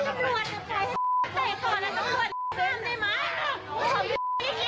บางทีเหตุการณ์นี้คือมันอะไรล่ะ